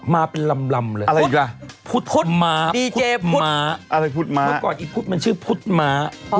มาเป็นลำเลยพุทธพุทธม้าพุทธขอดกอดไอ้พุทธมันชื่อพุทธม้า